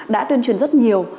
đã tuyên truyền rất nhiều